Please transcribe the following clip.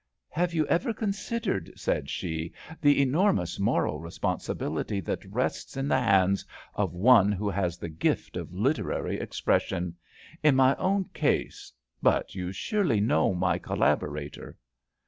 '* Have you ever considered,'' said she, '* the enormous moral responsibility that rests in the hands of one who has the gift of literary expres sion! In my own case — ^but you surely know my collaborator.''